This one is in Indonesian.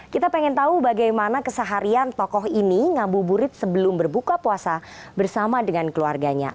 kita pengen tahu bagaimana keseharian tokoh ini ngabuburit sebelum berbuka puasa bersama dengan keluarganya